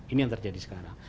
ini yang terjadi sekarang